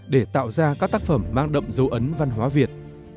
để tạo ra các tác phẩm mang đậm dấu ấn văn hóa việt